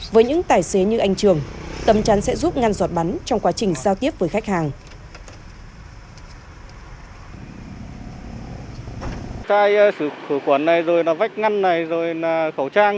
với những tài xế như anh trường chính là vệ sinh sạch sẽ lại chiếc xe của mình bằng nước sát quần